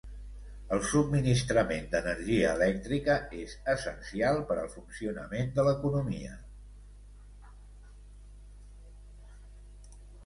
El subministrament d'energia elèctrica és essencial per al funcionament de l'economia.